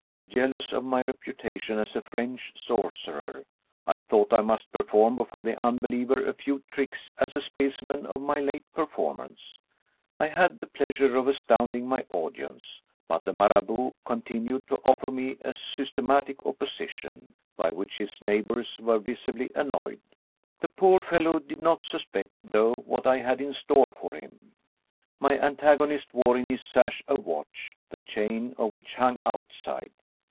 Jealous of my reputation as a French sorcerer, I thought I must perform before the unbeliever a few tricks as a specimen of my late performance. I had the pleasure of as tounding my audience, but the Marabout continued to offer me a systematic opposition, by which his neighbors were visibly annoyed; the poor fellow did not suspect, though, what I had in store for him. My antagonist wore in his sash a watch, the chain of which hung outside.